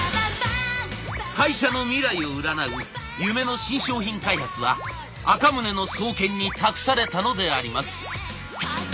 会社の未来を占う夢の新商品開発は赤宗の双肩に託されたのであります。